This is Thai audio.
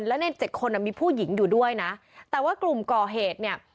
แล้วในเจ็ดคนอ่ะมีผู้หญิงอยู่ด้วยนะแต่ว่ากลุ่มก่อเหตุเนี่ย